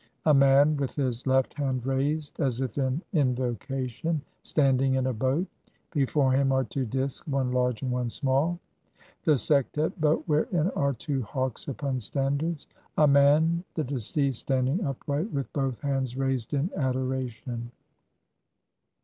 (3) A man, with his left hand raised as if in invocation, standing in a boat ; before him are two disks, one large and one small. (4) The Sektet boat wherein are two hawks upon standards. (5) A man (the de ceased ?) standing upright with both hands raised in adoration.